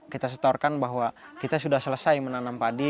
kita setorkan bahwa kita sudah selesai menanam padi